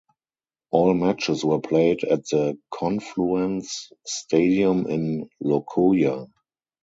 All matches were played at the Confluence Stadium in Lokoja.